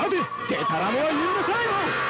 でたらめは許さないぞ！